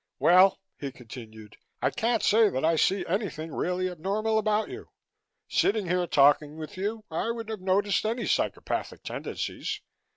"Well," he continued, "I can't say that I see anything really abnormal about you. Sitting here, talking with you, I would have noticed any psychopathic tendencies.